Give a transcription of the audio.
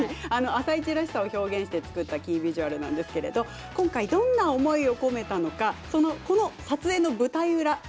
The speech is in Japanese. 「あさイチ」らしさを表現して作ったキービジュアルなんですけど今回、どんな思いを込めたのかこの撮影の舞台裏